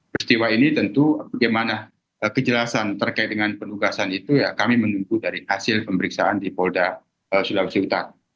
peristiwa ini tentu bagaimana kejelasan terkait dengan penugasan itu ya kami menunggu dari hasil pemeriksaan di polda sulawesi utara